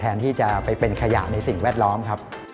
แทนที่จะไปเป็นขยะในสิ่งแวดล้อมครับ